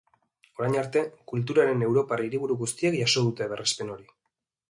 Orain arte, kulturaren europar hiriburu guztiek jaso dute berrespen hori.